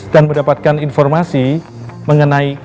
dan mendapatkan informasi mengenai kesehatan